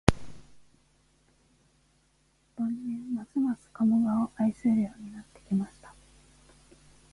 晩年、ますます加茂川を愛するようになってきました